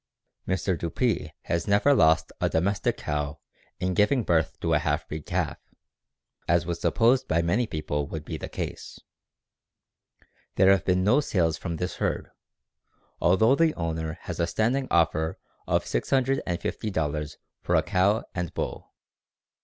"Mr. Dupree has never lost a [domestic] cow in giving birth to a half breed calf, as was supposed by many people would be the case. There have been no sales from this herd, although the owner has a standing offer of $650 for a cow and bull.